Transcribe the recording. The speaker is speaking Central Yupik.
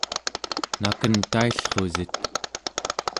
naken taillrusit?